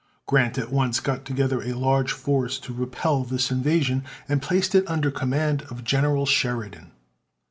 Grant at once got together a large force to repel this invasion, and placed it under command of General Sheridan.